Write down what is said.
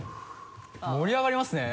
盛り上がりますね。